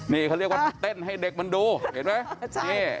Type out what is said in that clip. นี่เขาเรียกว่าเต้นให้เด็กมันดูเห็นไหม